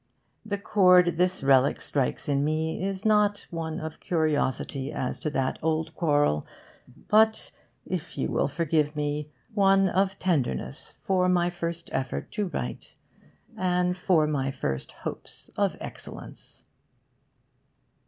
The chord this relic strikes in me is not one of curiosity as to that old quarrel, but (if you will forgive me) one of tenderness for my first effort to write, and for my first hopes of excellence.